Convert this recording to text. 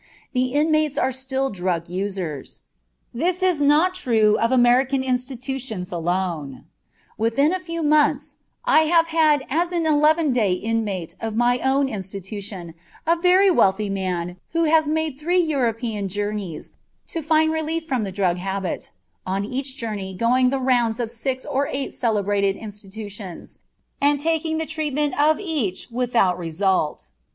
The inmates are still drug users. This is not true of American institutions alone. Within a few months I have had as an eleven day inmate of my own institution a very wealthy man who has made three European journeys to find relief from the drug habit, on each journey going the rounds of six or eight celebrated institutions, and taking the treatment of each without result.